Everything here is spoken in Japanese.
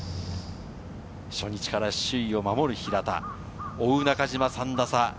初日から首位を守る平田、追う中島は３打差。